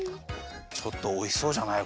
ちょっとおいしそうじゃない？